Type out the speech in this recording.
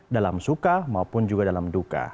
dalam suka maupun juga dalam duka